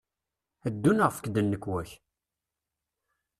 Ddu neɣ efk-d nnekwa-k!